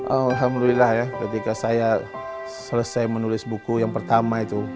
alhamdulillah ya ketika saya selesai menulis buku yang pertama itu